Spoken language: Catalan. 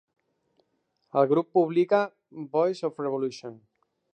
El grup publica "Voice of Revolution".